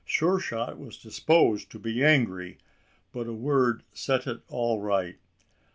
Sure shot was disposed to be angry, but a word set all right.